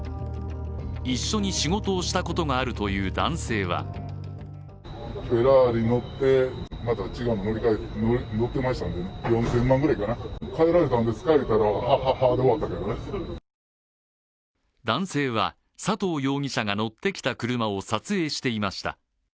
一緒に仕事をしたことがあるという男性は男性は佐藤容疑者が乗ってきた車を撮影していました。